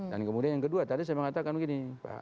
dan kemudian yang kedua tadi saya mengatakan begini